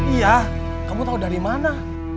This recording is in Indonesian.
iya kamu tahu dari mana